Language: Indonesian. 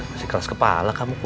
masih keras kepala kamu